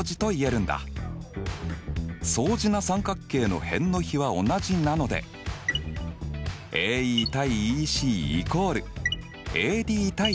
相似な三角形の辺の比は同じなのでＡＥ：ＥＣ＝ＡＤ：ＥＦ。